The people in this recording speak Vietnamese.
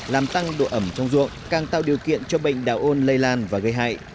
làm tăng độ ẩm trong ruộng càng tạo điều kiện cho bệnh đạo ôn lây lan và gây hại